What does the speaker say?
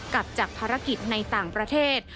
กลับจากภารกิจในต่างประเทศ